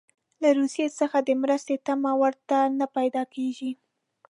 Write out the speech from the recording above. له روسیې څخه د مرستې تمه ورته نه پیدا کیږي.